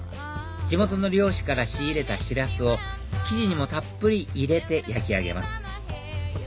地元の漁師から仕入れたシラスを生地にもたっぷり入れて焼き上げます